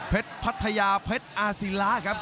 เพชรพัทยาเพชรอาศิละครับ